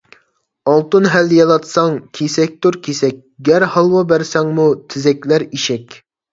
ئالتۇن ھەل يالاتساڭ كېسەكتۇر كېسەك، گەر ھالۋا بەرسەڭمۇ تېزەكلەر ئېشەك.